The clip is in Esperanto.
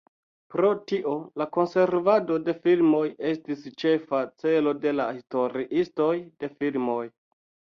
Pro tio la konservado de filmoj estis ĉefa celo de la historiistoj de filmoj.